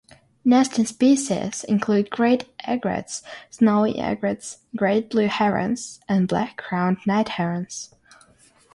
Nesting species include great egrets, snowy egrets, great blue herons, and black-crowned night herons.